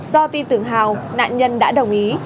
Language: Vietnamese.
do tin tưởng hào nạn nhân đã đồng ý